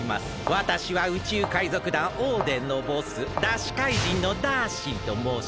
わたしは宇宙海賊団オーデンのボスだしかいじんのダーシーともうします。